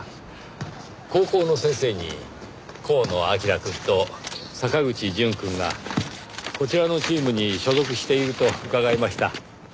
高校の先生に河野彬くんと坂口淳くんがこちらのチームに所属していると伺いました。